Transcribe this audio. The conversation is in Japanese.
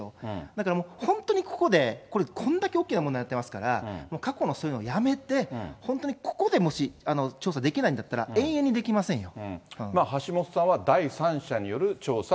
だからもう本当にここで、これ、こんだけ大きな問題になってますから、過去のそういうのやめて、本当にここでもし調査できないんだったら、永遠にできませんよ。